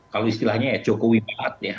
kalau istilahnya jokowi banget ya